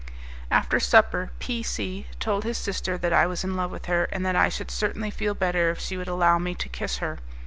After supper, P C told his sister that I was in love with her, and that I should certainly feel better if she would allow me to kiss her.